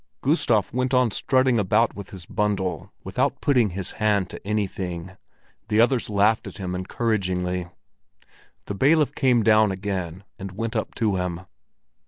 Gustav went on strutting about with his bundle, without putting his hand to anything. The others laughed at him encouragingly. The bailiff came down again and went up to him.